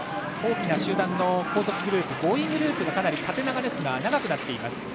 大きな集団の後続グループ５位グループがかなり縦に長くなっています。